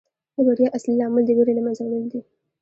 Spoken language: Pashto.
د بریا اصلي لامل د ویرې له منځه وړل دي.